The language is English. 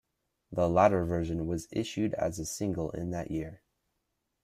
The latter version was issued as a single in that year.